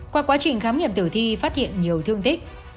qua quá trình khám nghiệm tử thi phát hiện nhiều thương tích